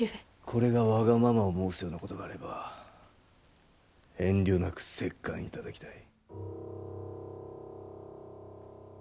これが、わがままを申すようなことがあれば遠慮なく折檻いただきたい。